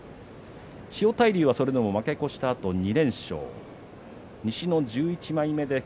千代大龍、それでも負け越したあと２連勝です。